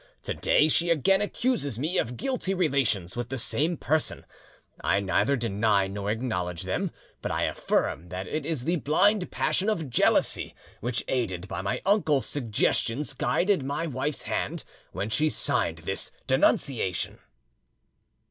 To day she again accuses me of, guilty relations with the same person; I neither deny nor acknowledge them, but I affirm that it is the blind passion of jealousy which, aided by my uncle's suggestions, guided my wife's hand when she signed this denunciation."